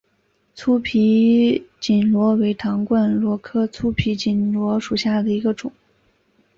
粗皮鬘螺为唐冠螺科粗皮鬘螺属下的一个种。